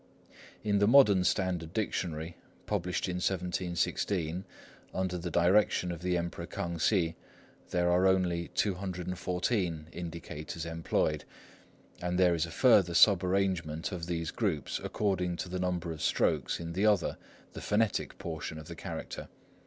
In the modern standard dictionary, published in 1716, under the direction of the Emperor K'ang Hsi, there are only 214 indicators employed, and there is a further sub arrangement of these groups according to the number of strokes in the other, the phonetic portion of the character.